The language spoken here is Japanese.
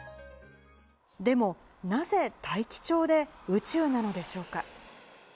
でも、なぜ大樹町で宇宙なのでしょうか。